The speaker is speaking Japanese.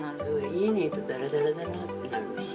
家にいるとダラダラダラってなるし。